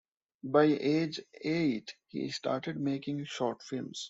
By age eight, he started making short films.